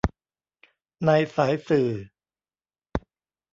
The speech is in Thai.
ในสายสื่อ